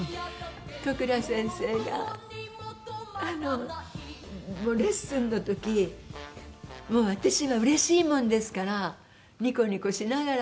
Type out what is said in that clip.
都倉先生があのもうレッスンの時私はうれしいものですからニコニコしながら。